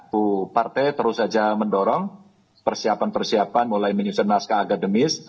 satu partai terus saja mendorong persiapan persiapan mulai menyusun naskah akademis